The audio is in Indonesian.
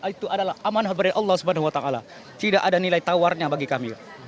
itu adalah amanah dari allah swt tidak ada nilai tawarnya bagi kami